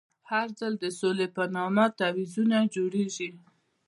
هر ځل د سولې په نامه تعویضونه جوړېږي.